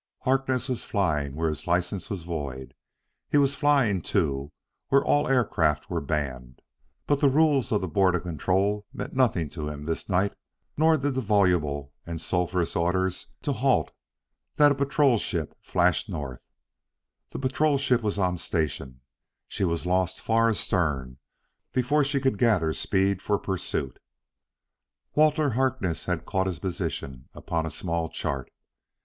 Harkness was flying where his license was void; he was flying, too, where all aircraft were banned. But the rules of the Board of Control meant nothing to him this night. Nor did the voluble and sulphurous orders to halt that a patrol ship flashed north. The patrol ship was on station; she was lost far astern before she could gather speed for pursuit. Walter Harkness had caught his position upon a small chart.